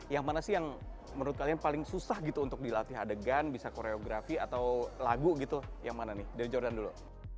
yang mana sih yang menurut kalian paling susah gitu untuk dilatih adegan bisa koreografi atau lagu gitu yang mana nih dari jordan dulu